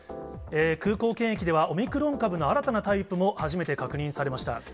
空港検疫では、オミクロン株の新たなタイプも初めて確認されました。